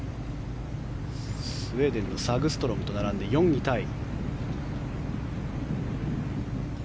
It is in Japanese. スウェーデンのサグストロムと並んで４位タイ。